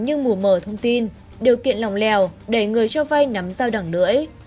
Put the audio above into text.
nhưng mùa mở thông tin điều kiện lòng lèo đẩy người cho vay nắm giao đẳng nưỡi